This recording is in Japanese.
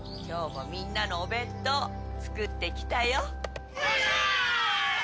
今日もみんなのお弁当作ってきたよ。